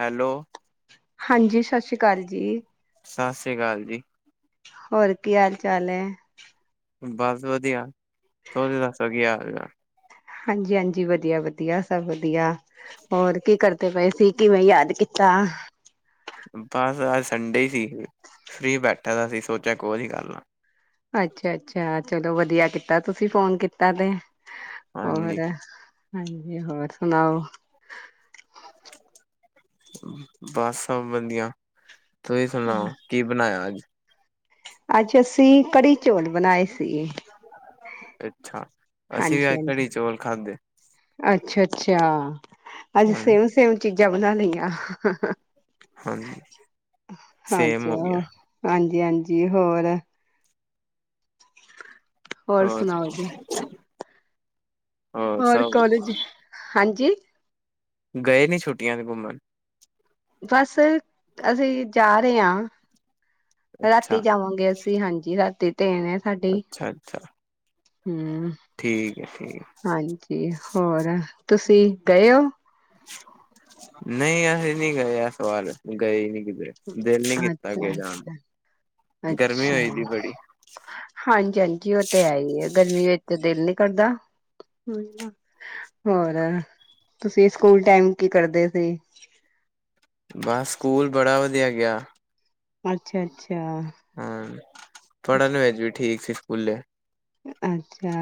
Hello ਹਾਂਜੀ ਸਸ ਸ੍ਰੀ ਕਾਲ। ਜੀ। ਸਸ ਸ੍ਰੀ ਕਾਲ ਜੀ। ਹੋਰ ਕੀ ਹਾਲ ਚਾਲ ਐ? ਬਸ ਵਧੀਆ। ਸੋਡੇ ਦੱਸੋ ਗਿਆ ਕੀ ਹਾਲ [unintelligible] ਹਾਂਜੀ-ਹਾਂਜੀ ਵਧੀਆ-ਵਧੀਆ ਸਭ ਵਧੀਆ। ਹੋਰ ਕੀ ਕਰਦੇ ਪਏ ਸੀ। ਕਿਵੇਂ ਯਾਦ ਕੀਤਾ? ਬਸ ਅੱਜ ਸੰਡੇ ਸੀ ਫ੍ਰੀ ਬੈਠਾ ਦਾ ਸੀ ਸੋਚਿਆ ਕੋਲ ਹੀ ਕਰ ਲਾ। ਅੱਛਾ-ਅੱਛਾ ਚਲੋ ਵਧੀਆ ਕੀਤਾ ਤੁਸੀਂ ਫੋਨ ਕੀਤਾ ਤੇ। ਹਾਂਜੀ [unintelligible] ਹਾਂ ਜੀ ਹੋਰ ਸੁਣਾਓ? ਬਸ ਸਭ ਵਧੀਆਂ। ਤੁਸੀਂ ਸੁਣਾਓ ਕੀ ਬਣਾਇਆ ਅੱਜ? ਅੱਜ ਅਸੀਂ ਕੜੀ ਚੋਲ ਬਨਾਏ ਸੀ। ਅੱਛਾ। ਅਸੀਂ ਵੀ ਅੱਜ ਹਾਂਜੀ-ਹਾਂਜੀ, ਕੜੀ ਚੌਲ ਖਾਧੇ ਅੱਛਾ-ਅੱਛਾ। ਅੱਜ ਹਾਂਜੀ ਸੇਮ-ਸੇਮ ਚੀਜ਼ਾਂ ਬਨਾ ਲਈਆਂ। ਹਾਂ ਹਾਂ। ਹਾਂਜੀ ਸੇਮ ਹਾਂਜੀ, ਹੋ ਉਹ ਗਿਆ ਹਾਂਜੀ। ਹਾਂਜੀ, ਹੋਰ। ਹੋਰ ਸੁਣਾਉ ਜੀ। ਹੋਰ ਕੋਲਜ, ਹਾਂਜੀ ਗਏ ਨੀ ਛੁੱਟੀਆਂ ਤੇ ਘੁੰਮਣ ਬਸ ਅਸੀਂ ਜਾ ਰਹੇ ਹਾਂ। ਅੱਛਾ ਰਾਤੀ ਜਾਵਾਂਗੇ ਅਸੀਂ, ਹਾਂਜੀ ਰਾਤੀ ਟ੍ਰੇਨ ਆ ਸਾਡੀੇ ਅੱਛਾ ਅੱਛਾ ਹੂੰ, ਠੀਕ ਹੈ ਠੀਕ ਹਾਂਜੀ। ਹੋਰ ਤੁਸੀਂ ਗਏ ਉ। ਨਹੀਂ ਅਸੀਂ ਨਹੀਂ ਗਏ, ਇਸ ਵਾਰ ਗਏ ਨਹੀਂ। ਅੱਛਾ ਅ ਦਾ ਗਰਮੀ ਹੋਈ ਅੱਛਾ, ਦੀ ਬੜੀ ਹਾਂਜੀ ਹਾਂਜੀ, ਉਹ ਤੇ ਹੈ ਹੀ ਆ। ਗਰਮੀ ਵਿੱਚ ਦਿਲ ਨੀ ਕਰਦਾ, ਹੋਰ ਤੁਸੀਂ ਸਕੂਲ ਟਾਈਮ ਕੀ ਕਰਦੇ ਸੀ। ਬਸ ਸਕੂਲ ਬੜਾ ਵਆ ਵਧੀਆ ਗਿਆ ਗਿਆ। ਅੱਛਾ ਅੱਛਾ ਹਾ, ਥੋੜ੍ਹਾ ਜਿਹਾ ਹੋ ਜਾਉ ਠੀਕ। ਸਕੂਲੇ ਅੱਛਾ,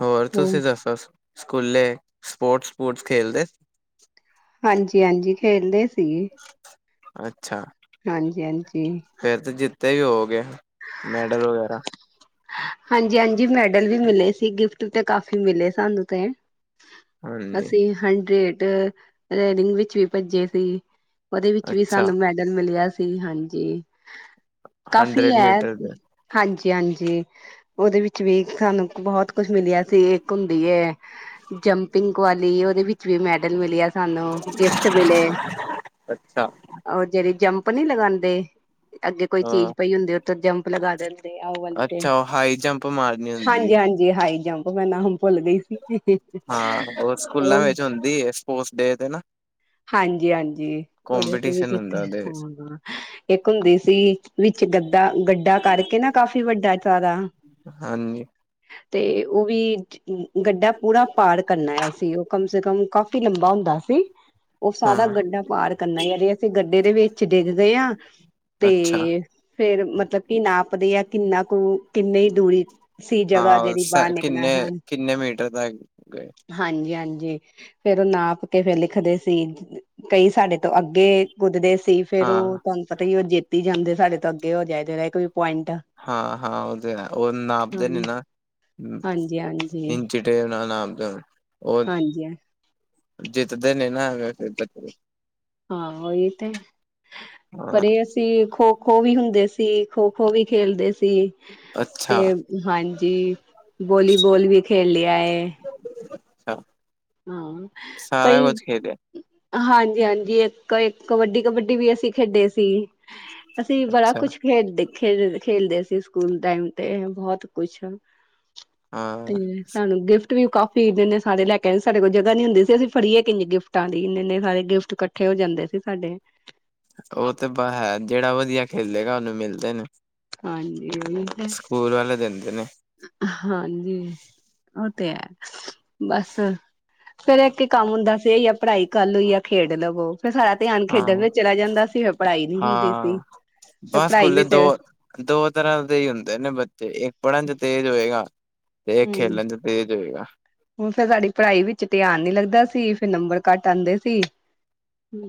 ਹੋਰ ਹੂੰ। ਤੁਸੀਂ ਦੱਸੋ ਸਕੂਲੇ ਸਪੋਰਟਸ ਸਪੋਰਟਸ ਖੇਲਦੇ ਹਾਂਜੀ ਹਾਂਜੀ, ਖੇਲਦੇ ਸੀ। ਅੱਛਾ। ਹਾਂਜੀ ਹਾਂਜੀ। ਫੇਰ ਤੇ ਜਿੱਤੇ ਵੀ ਹੋਵੋਗੇ ਮੈਡਲ ਵਗੈਰਾ ਹਾਂਜੀ ਹਾਂਜੀ, ਮੈਡਲ ਵੀ ਮਿਲੇ ਸੀ, ਗਿਫਟ ਤੇ ਕਾਫੀ ਮਿਲੇ ਸਾਨੂੰ ਤੇ ਹਾਂਜੀ ਅਸੀਂ ਹਨਡਰੇਡ ਰੈਡਿੰਗ ਵਿੱਚ ਵੀ ਭੱਜੇ ਸੀ। ਉਹਦੇ ਵਿੱਚ ਵੀ ਅੱਛਾ ਸਾਨੂੰ ਮੈਡਲ ਮਿਲਿਆ ਤੇ ਹਾਂਜੀ। ਕਾਫੀ ਹੰਡਰਡ ਹੈ ਮੀਟਰ ਹਾਜੀ ਦੇ । ਹਾਂਜੀ । ਉਹਦੇ ਵਿੱਚ ਵੀ ਸਾਨੂੰ ਬਹੁਤ ਕੁਛ ਮਿਲਿਆ ਸੀ ਇੱਕ ਹੁੰਦੀ ਜੰਪਿੰਗ ਕੁਆੀ ਉਹਦੇ ਵਿੱਚ ਵੀ ਮੈਡਲ ਮਿਿਲਿਆ ਸਾਨੂੰ ਗਿਫਟ ਮਿਲੇ ਅੱਛਾ ਰ ਜਿਹੜੀ ਜੰਪ ਨੀ ਲਗਾਉਂਦੇ ਅੱਗੇ ਕੋਈ ਹਾਂ ਚੀਜ਼ ਪਈ ਹੁੰਦੀ ਜੰਪ ਲਗਾ ਦੇਿੰਦੇ ਆ ਵਲ ਦੇ ਅੱਛਾ ਉਹ ਹਾਈ ਜੰਪ ਮਾਰਨੀ ਹੁੰਦੀ ਹੈ। ਹਾਈ ਜੰਪ ਮੈਂ ਨਾ ਹੁ ਭੁੱਲ ਗਈ ਸੀ ਹਾਂ ਸਕੂਲਾਂ ਉਹ ਵਿੱਚ ਹੁੰਦੀ ਹੈ ਸਪੋਰਟਸ ਡੇ ਤੇ ਨਾ ਹਾਜੀ, ਹਾਂਜੀ ਉਹਦੇ ਤੇ ਕੋਂਪੀਟੀਸ਼ਨ ਵੀਤੇ ਹੁੰਦਾ ਉਹਦੇ ਵਿੱਚ ਹਾਂ ਇੱਕ ਹੁੰਦੀ ਸੀ ਵਿੱਚ ਗੱਦਾ ਗੱਡ ਕਰਕੇ ਨਾ ਕਾਫੀ ਵੱਡਾ ਸਾਰਾ ਹਾਂਜੀ। ਤੇ ਉਹ ਵੀ ਗੱਡਾ ਪੂਰਾ ਪਾਰ ਕਰਨਾ ਆ ਅ ਸੀ ਉਹ ਕਮ ਸੇ ਕਮ ਕਾਫ਼ੀ ਲੰਬਾ ਹੁੰਦਾ ਸੀ ਉਹ ਸਾਰਾ ਹਾਂ ਗੱਡਾ ਪਾਰ ਕਰਨਾ ਯ ਜ ਅਸੀਂ ਗੱਡੇ ਦੇ ਵਿੱਚ ਡਿੱਗ ਗਏ ਹਾਂ ਤੇ ਅੱਛਾ ਫੇਿਰ ਮਤਲਬ ਕੀ ਨਾਪਦੇ ਆ ਕਿੰਨਾ ਕੁ ਕਿੰਨੀ ਦੂਰੀ ਸੀ ਜਗ੍ਹਾ ਜਿਹੜੀ ਹਾਂ ਬਾਹਰ ਨਿਕਲ ਕਿੰਨੇ ਹਨ ਕਿੰਨੇ ਮੀਟਰ ਤੱਕ ਗਏ ਹਾਂਜੀ, ਹਾਂਜੀ। ਜ ਫੇਰ ਉਹ ਨਾਪ ਕੇ ਫੇਿਰ ਲਿਖਦੇ ਸੀ। ਕਈ ਸਾਡੇ ਤੋਂ ਅੱਗੇ ਕੁੱਦਦੇ ਸੀ ਫੇਰ ਹਾਂ ਉਹ ਤੁਹਾਨੂੰ ਪਤਾ ਹੀ ਉਹ ਜਿੱਤ ਤੀ ਜਾਂਦੇ ਸਾਡੇ ਤੋਂ ਅੱਗੇ ਹੋ ਜਾਏਦੇਹੇ ਕੋਈ ਪੁਆਇੰਟ ਹਾਂ ਉਹ ਤੇ ਉਹ ਨਾਪਦੇ ਨੇ ਨਾ ਹਾਂਜੀ-ਹਾਂਜੀ, ਇੰਚ ਟੇਪ ਨਾਲਪਦੇ [unintelligible] ਉਹ ਹਾਂਜੀ ਹਾਂਜੀ ਜਿੱਤਦੇ ਨੇ ਨਾ ਹਾਂ। ਹਾਂ ਹੀ ਤੇ। ਹਾਂ ਪਰ ਇਹ ਅਸੀਂ ਖੋ ਖੋ, ਖੋ ਵੀ ਹੁੰਦੇ ਸੀ ਖੋ, ਖੋ ਵੀ ਖੇਲਦੇ ਸੀ। ਤੇ ਅੱਛਾ-ਅੱਛਾ ਹਾਂਜੀ। ਜੀ ਬੋਲੀਬੋਲ ਵੀ ਖੇਡ ਲਿਆ ਹੈ। ਹਾ। ਹਾਂ ਹਾਂਜੀ, ਹਾਂਜੀ। ਇੱਕ ਕਬੱਡੀ-ਕਬੱਡੀ ਵੀ ਅਸੀਂ ਖੇਡੇ ਸੀ। ਅਸੀਂ ਬੜਾ ਅੱਛਾ ਕੁੱਛ ਖੇਡਦੇ-ਖੇਡਦੇ ਖੇਲਦੇ ਸੀ ਸਕੂਲ ਟਾਈਮ ਤੇ ਬਹੁਤ ਕੁਛ। ਤੇ ਹਾਂ ਸਾਨੂੰ ਗਿਫਟ ਵੀ ਕਾਫੀ ਦਿੰਨੇ ਸਾਰੇ ਲੈ ਕੇ ਕਹਿੰਦੇ ਸਾਡੇ ਕੋਲ ਜਗ੍ਹਾ ਨੀ ਹੁੰਦੀ ਸੀ, ਅਸੀਂ ਫੜੀਏੰ ਕਿੰਜ ਗਿਫਟਾਂ ਦੀ। ਇੰਨੇ-ਇੰਨੇ ਸਾਰੇ ਗਿਫਟ ਕੱਠੇ ਹੋ ਜਾਂਦੇ ਸੀ ਸਾਡੇ ਉਹ ਤੇ ਹੈ। ਜਿਹੜਾ ਵਧੀਆ ਖੇਲੇਗਾ, ਉਹਨੂੰ ਮਿਲਦੇ ਨੇ। ਹੂ ਸਕੂਲ ਵਾਲੇ ਦਿੰਦੇ ਨੇ ਹਾਂ ਜੀ, ਉਹ ਤੇ ਐ। ਬਸ, ਫੇਰ ਇੱਕ ਹੀ ਕੰਮ ਹੁੰਦਾ ਸੀ ਯਾ ਪੜ੍ਹਾਈ ਕਰ ਲਓ ਯਾ ਖੇਡ ਲਵੋ। ਫੇਰ ਸਾਰਾ ਧਿਆਨ ਖੇਡਣ ਵਿੱਚ ਚਲਾ ਜਾਂਦਾ ਸੀ, ਫੇਰ ਪੜ੍ਹਾਈ ਨੀ ਹੁੰਦੀ ਸੀ। ਹਾਂ-ਹਾਂ ਫੇਰ ਬਸ ਪੜ੍ਹਾਈ ਸਕੂਲੇ ਵਿੱਚ ਦੋ ਪੜਨ ਚ ਤੇਜ ਹੋਏ ਗਾ। ਤੇ ਏਕ ਹੂੰ ਖੇਲਣ ਚ ਤੇਜ ਹੋਏਗਾ। ਫੇਰ ਸਾਡੀ ਪੜ੍ਹਾਈ ਵਿੱਚ ਧਿਆਨ ਨੀ ਲੱਗਦਾ ਸੀ, ਫੇਰ ਨੰਬਰ ਕੱਟ ਆਂਦੇ ਸੀ।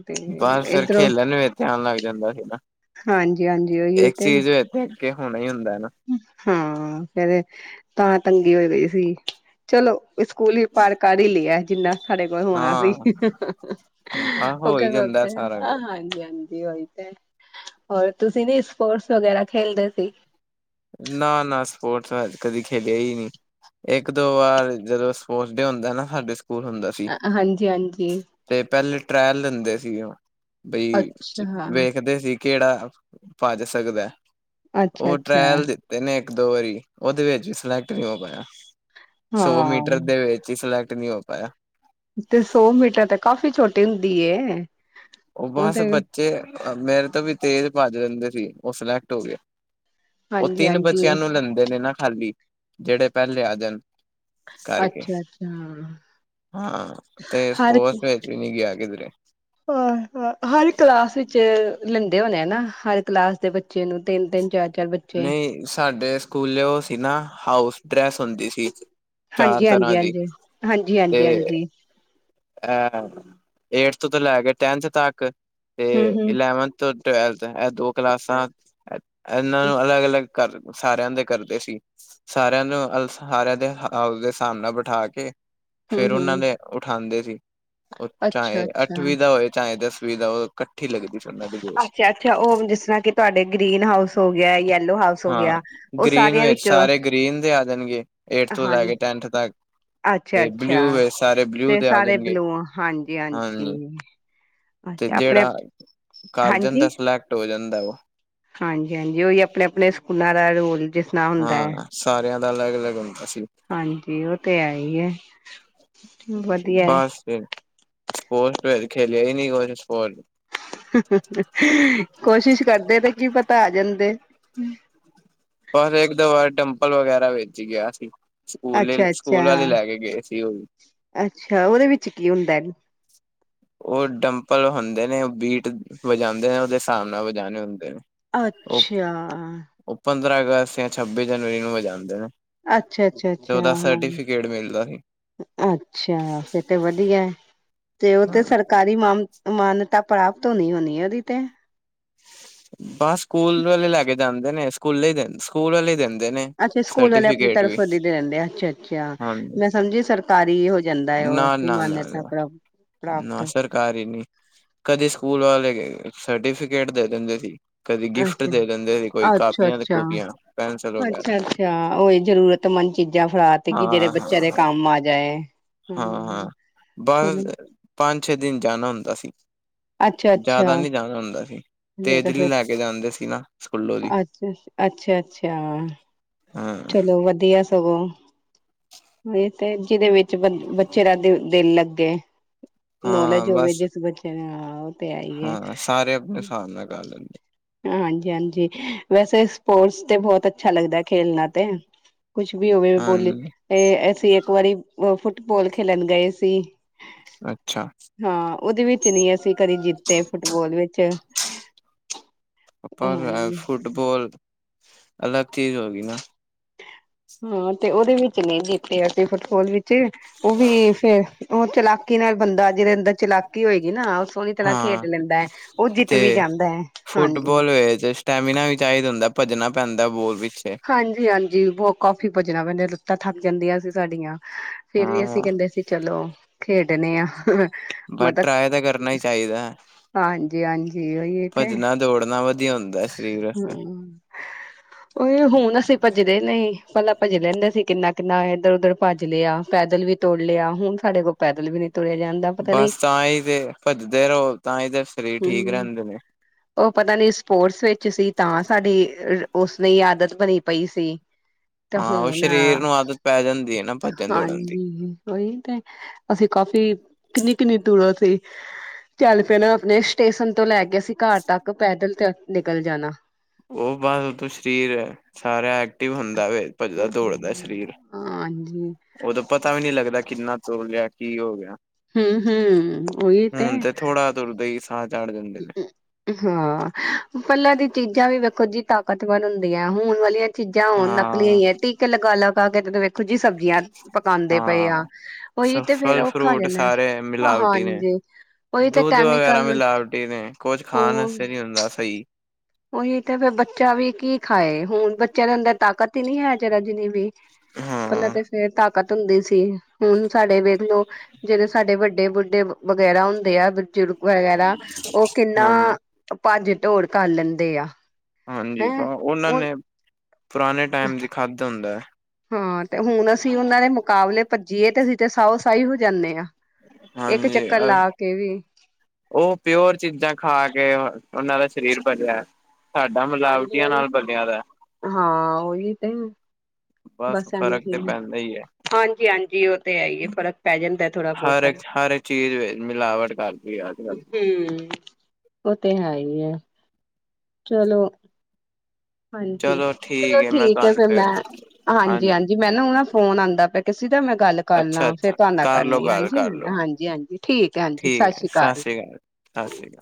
ਤੇ ਬਸ ਫੇਰ ਇੱਧਰੋਂ ਖੇਲਣ ਵਿਚ ਧਿਆਨ ਲੱਗ ਜਾਂਦਾ ਸੀ ਨਾ, ਹਾਂਜੀ ਹਾਂਜੀ ਉਹੀ ਇੱਕ ਤੇ ਚੀਜ਼ ਵਿਚ ਕਿ ਹੁਣ ਹਾਂ, ਫੇਰ ਤਾਂ ਤੰਗੀ ਹੋ ਗਈ ਸੀ। ਚਲੋ ਸਕੂਲ ਵੀ ਪਾਰ ਕਰਈ ਲਯਾ ਏ। ਜਿਨ੍ਹਾਂ ਸਾਡੇ ਕੋਲ ਹੋਣਾ ਸੀ। ਹਾਂ ਆਹ ਹੋ ਓਕੇ, ਹੀ ਜਾਂਦਾ ਓਕੇ, ਸਾਰਾ ਕੁਛ ਹਾਂਜੀ, ਹਾਂਜੀ। ਉਹੀ ਤੇ। ਹੋਰ ਤੁਸੀਂ ਨੀ ਸਪੋਰਟਸ ਵਗੈਰਾ ਖੇਲਦੇ ਸੀ। ਨਾ, ਨਾ, ਸਪੋਰਟਸ ਅ ਕਦੀ ਖੇਲਿਆ ਹੀ ਨਹੀਂ। ਇੱਕ-ਦੋ ਵਾਰ ਜਦੋਂ ਸਪੋਰਟਸ ਡੇ ਹੁੰਦਾ ਨਾ ਸਾਡੇ ਸਕੂਲ ਹੁੰਦਾ ਸੀ ਅ, ਹਾਂਜੀ, ਹਾਂਜੀ। ਟ੍ਰੈਲ ਲੈਂਦੇ ਸੀਗੇ ਉਹ ਬਈ, ਅੱਛਾ ਵੇਖਦੇ ਸੀ ਕਿਹੜਾ ਭੱਜ ਸਕਦਾ ਐ ਅੱਛਾ, ਅੱਛਾ। ਟ੍ਰਾਇਲ ਦਿੱਤੇ ਨੇ ਇੱਕ-ਦੋ ਵਾਰੀ, ਉਹਦੇ ਵਿੱਚ ਵੀ ਸਿਲੈਕਟ ਨਹੀਂ ਹੋ ਪਾਯਾ। ਸੌ ਹਾਂ ਮੀਟਰ ਦੇ ਵਿੱਚ ਹੀ ਸਿਲੈ ਕਤ ਨਹੀਂ ਹੋ ਪਾਯਾ। ਤੇ ਸੌ ਮੀਟਰ ਤੇ ਕਾਫ਼ੀ ਛੋਟੀ ਹੁੰਦੀ ਦੀਏ ਉ ਬਸ ਬੱਚੇ ਮੇਰੇ ਤੋਂ ਵੀ ਤੇਜ਼ ਭੱਜ ਲੈਂਦੇਂ ਸੀ ਉਹ ਸਿਲੈਕਟ ਹੋ ਗਏ ਉਹ ਹਾਂਜੀ ਤਿੰਨ ਬੱਚਿਆਂ ਹਾਂਜੀ ਨੂੰ ਲੈਂਦੇ ਨੇ ਨਾ ਖਾਲੀ ਜਿਹੜੇ ਪਹਿਲੇ ਆ ਜਾਣ ਕਾਰਕੇ ਅੱਛਾ ਅੱਛਾ ਹਾਂ ਤੇ ਹਰ ਸਪੋਰਸ ਵਚ ਵੀ ਨਹੀਂ ਗਿਆ ਕਿਧਰੇ ਹਰ ਕਲਾਸ ਵਿੱਚ ਲੈਂਦੇ ਹੋਣੇ ਹਨਾ ਹਰ ਕਲਾਸ ਦੇ ਬੱਚੇ ਨੂੰ ਤਿੰਨ-ਤਿੰਨ ਚਾਰ ਚਾਰ ਬੱਚੇ ਨਹੀਂ ਸਾਡੇ ਸਕੂਲੇ ਉਹ ਸੀ ਨਾ ਹਾਊਸ ਡਰੈਸ ਹੁੰਦੀ ਸੀ ਚਾਰ ਹਾਂਜੀ-ਹਾਂਜੀ ਤਰ੍ਹਾਂ ਦੀ ਤੇ ਹਾਂਜੀ-ਹਾਂਜੀ ਹਾਂਜੀ-ਹਾਂਜੀ ਅ ਏਟਥ ਤੋਂ ਲੈ ਕੇ ਟੈਨਥ ਤੱਕ ਤੇ ਹਮ ਹਮ ਇਲੈਵਨਥ ਤੋਂ [inaudible] ਇਹ ਦੋ ਕਲਾਸਾਂ ਇਹਨਾਂ ਨੂੰ ਅਲੱਗ-ਅਲੱਗ ਕਰ ਸਾਰਿਆਂ ਦੇ ਕਰਦੇ ਸੀ ਸਾਰਿਆਂ ਨੂੰ ਸਾਰਿਆਂ ਦੇ ਹ ਉਸ ਦੇ ਹਾਹਾਬ ਨਾਲ ਬਿਠਾ ਕੇ ਹਮ ਫੇਰ ਉਹਨਾਂ ਹਮ ਦੇ ਆਦੇ ਸੀ ਉਹ ਅੱਛਾ ਚਾਹੇ ਅੱਠਵੀਂ ਦਾ ਹੋਵੇ ਚਾਹੇ ਦਸ ਸੁਵਧਾ ਹੋ ਅੱਛਾ-ਅੱਛਾ ਉਹ ਜਿਸ ਤਰ੍ਹਾਂ ਕਿ ਤੁਹਾਡੇ ਗ੍ਰੀਨ ਹਾਊਸ ਹੋਗਿਆ ਯੇਲੋ ਹਾਊਸ ਹੋਗਿਆ ਹਾਂ ਉਹ ਗ੍ਰੀਨ ਸਾਰਿਆਂ ਵਿੱਚ ਵਿਚ ਸਾਰੇ [inaudible] ਏਟਥ ਤੋਂ ਲੈ ਕੇ ਟੈਨਥ ਤੱਕ ਅੱਛਾ ਤੇ ਬਲਿਊ ਅੱਛਾ ਵ ਸਾਰੇ ਬਲਊ ਤੇ ਸਾਰੇ ਬਲੂ ਹਾਂਜੀ-ਹਾਂਜੀ ਤੇ ਅੱਛਾ ਆਪਣੇ ਜਿਹੜਾ ਕਰ ਹਾਂਜੀ ਜਾਂਦਾ ਸਿਲੈਕਟ ਹੋ ਜਾਂਦਾ ਵਾ ਹਾਂਜੀ-ਹਾਂਜੀ ਓਹੀ ਆਪਣੇ ਆਪਣੇ ਸਕੂਲਾਂ ਦਾ ਰੋਲ ਜਿਸ ਨਾਲ ਹੁੰਦਾ ਹੈ ਹਾਂ ਸਾਰਿਆਂ ਦਾ [unintelligible] ਅਲੱਗ ਅਲੱਗ ਹੁੰਦਾ ਸੀ ਹਾਂਜੀ ਉਹ ਤੇ ਹੈ ਹੀ ਹੈ ਵਧੀਆ ਏ ਬਸ ਫਿਰ ਸਪੋਰਟਸ ਖੇਲਿਆ ਹੀ ਨਹੀ ਕੁ ਸਪੋਰਟ ਕੋਸ਼ਿਸ਼ ਕਰਦੇ ਤੇ ਕੀ ਪਤਾ ਪੈ ਜਾਂਦੇ ਬਸ ਇੱਕ ਦੋ ਵਾਰ ਟੈਂਪਲ ਵਗੈਰਾ ਵੇਚ ਗਿਆ ਸੀ ਸਕੂਲ ਅੱਛਾ ਅੱਛਾ ਸਕੂਲ ਵਾਲੇ ਲੈ ਕੇ ਗਏ ਸੀ ਉਹ ਵੀ। ਅੱਛਾ ਉਹਦੇ ਵਿੱਚ ਕੀ ਹੁੰਦਾ ਉਹ ਡੰਬਲ ਹੁੰਦੇ ਨੇ ਬੀਟ ਵਜਾਦੇ ਨੇ ਉਹਦੇ ਹਿਸਾਬ ਨਾਲ ਵਜਾਣੇ ਹੁੰਦੇ ਨੇ ਉਹ ਅੱਛਾ ਉਹ ਪੰਦਰਾਂ ਅਗਸਤ ਜਾਂ ਛੱਬੀ ਜਨਵਰੀ ਨੂੰ ਵੀ ਜਾਂਦੇ ਨੇ ਅੱਛਾ ਅੱਛਾ ਤੇ ਅੱਛਾ ਉਹਦਾ ਹਾਂ ਸਰਟੀਫਿਕੇਟ ਮਿਲਦਾ ਸੀ। ਅੱਛਾ ਫੇ ਤਾਂ ਵਧੀਆ ਤੇ ਉਹ ਹਾਂ, ਤੇ ਸਰਕਾਰੀ ਮਾਮ ਮਾਨ ਤਾਂ ਪ੍ਰਾਪਤ ਹੋਨੀ ਹੁੰਣੀ ਉਹਦੀ ਤੇ ਬਸ ਸਕੂਲ ਵਾਲੇ ਲੈ ਕੇ ਜਾਂਦੇ ਨੇ ਸਕੂਲੇ ਹੀ ਦਿਨ ਸਕੂਲ ਵਾਲੇ ਦੇਨ ਅੱਛਾ ਸਕੂਲ ਵਾਲੇ ਆਪਣੀ ਤਰਫੋ ਦੀ ਦੇਨਦੇ ਅੱਛਾ ਅੱਛਾ ਹਾਂਜੀ ਮੈਂ ਸਮਝੀ ਸਰਕਾਰੀ ਹੋ ਜਾਂਦਾ ਹੈ ਨਾ ਉਹ ਕਿ ਨਾ ਨਾ ਮਾਨਤ ਨਾ ਨਾ ਸਰਕਾਰੀ ਸਰਟੀਫਿ ਗੇਟ ਦੇ ਦਿੰਦੇ ਸੀ ਕਦੀ ਅੱਛਾ ਗਿਫਟ ਦੇ ਦਿੰਦੇ ਸੀ ਕੋਈ -ਅੱਛਾ -ਅੱਛਾ ਕਾਪੀਆਂ ਤੇ ਕੂਪੀਆਂ ਪੈਨਸਿਲ ਵਗੈਰਾ -ਅੱਛਾ -ਅੱਛਾ ਉਹੀ ਜ਼ਰੂਰਤਮੰਦ ਚੀਜ਼ਾਂ ਫੜ ਤੇ ਕਿ ਜਿਹੜੇ ਹਾਂ ਬੱਚਿਆਂ ਹਾਂ ਦੇ ਕੰਮ ਆ ਜਾਏ ਹਾਂ ਹੂੰ ਹਾਂ ਚਲੋ ਬਸ ਪੰਜ ਛੇ ਦਿਨ ਜਾਣਾ ਹੁੰਦਾ ਸੀ ਅੱਛਾ ਅੱਛਾ ਜ਼ਿਆਦਾ ਨਹੀਂ ਜਾਣਾ ਹੁੰਦਾ ਸੀ ਤੇਜਲੀ ਫਿਰ ਲੈ ਕੇ ਜਾਂਦੇ ਸੀ ਨਾ ਸਕੂਲੋਂ ਦੀ ਅੱਛਾ -ਅੱਛਾ -ਅੱਛਾ ਹਾਂ ਚਲੋ ਵਧੀਆ ਸਗੋਂ ਇਹ ਤੇ ਜਿਹਦੇ ਵਿੱਚ ਬ ਬੱਚੇ ਦਾ ਦ ਦਿਲ ਲੱਗੇ ਹਾਂ ਨੌਲੇਜ ਹੋਵੇ ਬਸ ਜਿਸ ਬੱਚੇ ਨੂੰ ਹਾਂ ਸਾਰੇ ਆਪਣੇ ਹਾਂ ਲਗਾ ਲੇਨਦੇ ਨੇ ਹਾਂਜੀ -ਹਾਂਜੀ ਵੈਸੇ ਸਪੋਰਟਸ ਤੇ ਬਹੁਤ ਅੱਛਾ ਲੱਗਦਾ ਖੇਲਣਾ ਤੇ ਕੁਛ ਵੀ ਹੋਵੇ ਬੋਲੀ ਹਾਂਜੀ ਇਹ ਅਸੀਂ ਇੱਕ ਵਾਰੀ ਫੁੱਟਬਾਲ ਖੇਲਣ ਗਏ ਸੀ ਅੱਛਾ ਹਾਂ ਉਹਦੇ ਵਿੱਚ ਨੀ ਅਸੀਂ ਕਦੇ ਜਿੱਤੇ ਫੁੱਟਬਾਲ ਵਿੱਚ- ਪਰ ਹਾਂਜੀ ਫੁਟਬੋਲ ਅਲੱਗ ਚੀਜ਼ ਹੋਗੀ ਨਾ ਹਾਂ ਤੇ ਉਹ ਦੇ ਵਿੱਚ ਨਹੀਂ ਜਿੱਤੇ ਅਸੀ ਫਿਰ ਹੋਲ ਵੀ ਉਹ ਵੀ ਫੇਰ ਉਹ ਚਲਾਕੀ ਨਾਲ ਬੰਦਾ ਜਿਹਦੇ ਅੰਦਰ ਚਲਾਕੀ ਹੋਏਗੀ ਨਾ ਉਹ ਸੋਹਣੀ ਤਰ੍ਹਾਂ ਹਾਂ ਖੇਡ ਲੈਂਦਾ ਹੈ ਉਹ ਜਿੱਤ ਤੇ ਵੀ ਜਾਂਦਾ ਹੈ ਹਾਂਜ ਫੁੱਟਬਾਲ ਵਿੱਚ ਸਟੈਮੀਨਾ ਵੀ ਚਾਹੀਦਾ ਹੁੰਦਾ ਭੱਜਣਾ ਪੈਂਦਾ ਬੋਰ ਵਿੱਚ ਹਾਂਜੀ-ਹਾਂਜੀ ਬਹੁ ਕਾਫੀ ਭੱਜਣਾ ਪੈਂਦਾ ਲੁੱਤਾ ਥੱਕ ਜਾਂਦੀਆਂ ਸੀ ਸਾਡੀਆਂ ਫੇਰ ਵੀ ਹਾਂ ਅਸੀਂ ਕਹਿੰਦੇ ਸੀ ਚਲੋ ਖੇਡਣੇ ਆ ਬਸ ਮਤਲਬ ਟਰਾਏ ਤਾਂ ਕਰਨਾ ਹੀ ਚਾਹੀਦਾ ਹਾਂਜੀ ਭੱਜਣਾ ਦੌੜਨਾ ਵਧੀਆ ਹੁੰਦਾ ਸਰੀਰ ਵਾਸਤੇ ਹਮ ਹੁਣ ਅਸੀਂ ਭੱਜਦੇ ਨਹੀਂ ਭਲਾ ਭੱਜ ਲੈਂਦੇ ਸੀ ਕਿੰਨਾ ਕਿੰਨਾ ਇੱਧਰ ਉੱਧਰ ਭੱਜ ਲਿਆ ਪੈਦਲ ਵੀ ਤੋੜ ਲਿਆ ਹੁਣ ਸਾਡੇ ਕੋਲ ਪੈਦਲ ਵੀ ਨਹੀਂ ਬਸ ਤਾਂ ਹੀ ਤੇ ਭੱਜਦੇ ਰਹੋ ਤਾਂ ਹੀ ਤਾਂ ਸਰੀਰ ਠੀਕ ਹਮ ਰਹਿੰਦੇ ਨੇ ਉਹ ਪਤਾ ਨੀ ਸਪੋਰਟਸ ਵਿੱਚ ਸੀ ਤਾਂ ਸਾਡੇ ਉਸਨੇ ਆਦਤ ਬਣੀ ਪਈ ਸੀ ਤੇ ਹਾਂ ਉਹ ਹੁਣ ਸਰੀਰ ਨੂੰ ਆਦਤ ਪੈ ਜਾਂਦੀ ਹੈ ਨਾ ਭੱਜਣ ਦੌੜਨ ਦੀ ਹਾਂਜੀ ਉਹੀ ਤੇ ਅਸੀਂ ਕਾਫੀ ਕਿੰਨੀ-ਕਿੰਨੀ ਟੂਰੋਂ ਸੀ ਚੱਲ ਪਿਆ ਨਾ ਆਪਣੇ ਸਟੇਸ਼ਨ ਤੋਂ ਲੈ ਕੇ ਅ ਸੀ ਘਰ ਤੱਕ ਪੈਦਲ ਨਿਕਲ ਜਾਣਾ ਉਹ ਬਾਅਦ ਉਦੋਂ ਸਰੀਰ ਸਾਰਾ ਐਕਟਿਵ ਹੁੰਦਾ ਵ ਭੱਜਦਾ ਦੌੜਦਾ ਸਰੀਰ ਹਾਂਜੀ ਉਦੋਂ ਪਤਾ ਵੀ ਨਹੀਂੀ ਲੱਗਦਾ ਕਿੰਨਾ ਤੋ ਲਿਆ ਕੀ ਹੋ ਗਿਆ ਹਮ-ਹਮ ਉਹਗੀਤੇ ਹੁਣ ਤੇ ਥੋੜਾ ਤੁਰਦੇ ਹੀ ਸਾਹ ਚੜ ਜਾਂਦੇ ਨੇ ਹਾਂ ਪਲਾਾਂ ਦੀ ਚੀਜ਼ਾਂ ਵੀ ਵੇਖੋ ਜੀ ਤਾਕਤਵਰ ਹੁੰਦੀਆਂ ਹੁਣ ਵਾਲੀਆਂ ਚੀਜ਼ਾਂ ਹੁਣ ਨਕਲੀਆਂ ਹਾਂ ਹੀ ਹੈ ਟੀਕੇ ਲਗਾ ਲਗਾ ਕੇ ਵਖ ਕੁਝ ਸਬਜ਼ੀਆਂ ਪਕਾਉਂਦੇ ਪਏ ਹਾਂ ਆ ਉਹੀ ਤੇ ਫੇਰ ਸਫਲ ਉਹ ਖਾ ਫਰੂਟ ਜਾਂਣਾ ਸਾਰੇ ਮਿਲਾਵਟੀ ਨੇ ਹਾਂਜੀ ਉਹੀ ਤੇ ਦੁੱਧ ਵਗੈਰਾ ਕੈਮੀਕਲ ਮਿਲਾਵਟੀ ਕੁਝ ਉਹ ਖਾਣਸਤੇ ਨੀ ਹੁੰਦਾ ਸਹੀ ਉਹੀ ਤੇ ਫੇਿਰ ਬੱਚਾ ਵੀ ਕੀ ਖਾਏ ਹੁਣ ਬੱਚਿਆਂ ਨੂੰ ਅੰਦਰ ਤਾਕਤ ਹੀ ਨਹੀਂੀ ਹੈਾਰਾ ਜਿੰਨੀ ਵੀ ਪਲ ਹਾਂ ਫੇਰ ਤਾਕਤ ਹੁੰਦੀ ਸੀ ਹੁਣ ਸਾਡੇ ਵੇਖ ਲਓ ਜਿਹੜੇ ਸਾਡੇ ਵੱਡੇ ਬੁੱਢੇ ਵਗੈਰਾ ਹੁੰਦੇ ਆ ਬਜ਼ੁਰਗ ਵਗੈਰਾ ਉਹ ਕਿੰਨਾ ਹਾਂਜੀ ਭਾ ਢੋਲ ਕਰ ਲੈਣ ਦੇਿਆ ਹਾਂਜੀ ਉਹਨਾਂ ਨੇ ਪੁਰਾਨੇ ਟੈਮ ਚ ਖਾਦਾ ਹੁੰਦਾ ਏ। ਹਾਂ, ਤੇ ਹੁਣ ਅਸੀਂ ਉਹਨਾਂ ਦੇ ਮੁਕਾਬਲੇ ਪੱਜੀਏ, ਤੇ ਅਸੀਂ ਤੇ ਸਾਓ ਸਾਹੀ ਹੋ ਜਾਨੇ ਆ। ਇੱਕ ਹਾਂਜੀ ਚੱਕਰ ਲਾ ਕੇ ਵੀ ਉਹ ਪਿਓਰ ਚੀਜ਼ਾਂ ਖਾ ਕੇ, ਉਹਨਾਂ ਦਾ ਸਰੀਰ ਬਨਿਆ ਹਾਂਜੀ, ਉਹੀ ਹਾਂ ਉਹੀ ਤੇ। ਹੈ, ਬਸ ਫ਼ਰਕ ਤੇ ਹਾਂਜੀ, ਪੈਂਦਾ ਹੀ ਹੈ ਹਾਂਜੀ, ਹਾਂਜੀ, ਉਹ ਤੇ ਹੈ ਹੀ ਹੈ ਫ ਹਰ ਇੱਕ, ਹਰ ਇੱਕ ਚੀਜ਼ ਵਿੱਚ ਮਿਲਾਵਟ ਕਰਤੀ ਏ ਅੱਜ ਕੱਲ। ਹੂੰ ਉਹ ਤੇ ਹੈ ਹੀ ਹੈ। ਚਲੋ। ਹਾਂਜੀ, ਚਲੋ ਚਲੋ ਹੈ ਮੈਂ ਠੀਕ ਐ, ਤੁਹਾਨੂੰ ਫੇਰ ਫਿਰ ਮੈਂ, ਹਾਂਜੀ, ਹਾਂਜੀ, ਮੈਂ ਨਾ ਓ ਨਾ ਫੋਨ ਆਂਦਾ ਪਿਆ ਕਿਸ ਸੀ ਦਾ, ਮੈਂ ਗੱਲ ਕਰ ਲਾਂ ਅੱਛਾ ਫੇਰ ਅੱਛਾ ਤੁਹਾ ਨਾਲ ਕਰ ਲੋ ਕਰਨੀ। ਗੱਲ ਹਾਂਜੀ, ਕਰ ਲੋ ਹਾਂਜੀ, ਹਾਂਜੀ, ਠੀਕ ਹੈ, ਹਾਂਜੀ ਠੀਕ ਸਤਿ ਹੈ ਸ੍ਰੀ ਕਾਲ। ਅਕਾਲ ਸਤਿ ਸ੍ਰੀ ਅਕਾਲ